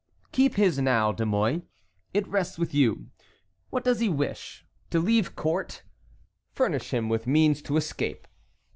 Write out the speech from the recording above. "Keep his, now, De Mouy; it rests with you. What does he wish? To leave court? Furnish him with means to escape.